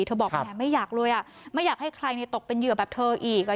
บอกแหมไม่อยากเลยอ่ะไม่อยากให้ใครตกเป็นเหยื่อแบบเธออีก